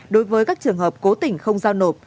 đối với các trường hợp cố tình không giao nộp